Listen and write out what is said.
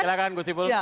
silahkan guz siful